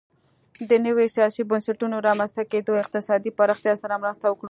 د نویو سیاسي بنسټونو رامنځته کېدو اقتصادي پراختیا سره مرسته وکړه